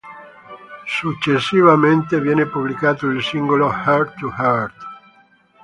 Successivamente viene pubblicato il singolo "Heart to Heart".